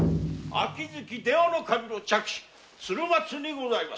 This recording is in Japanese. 秋月出羽守の嫡子鶴松にございます。